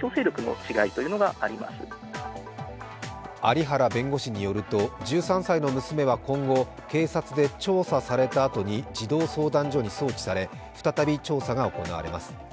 有原弁護士によると、１３歳の娘は今後、警察で調査されたあとに児童相談所に送致され再び、調査が行われます。